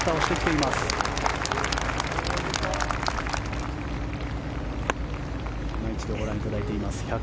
いま一度ご覧いただいています。